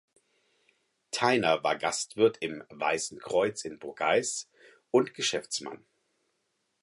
Theiner war Gastwirt im "Weißen Kreuz" in Burgeis und Geschäftsmann.